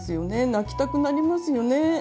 泣きたくなりますよね。